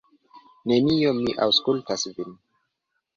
Nenio, mi aŭskultas vin.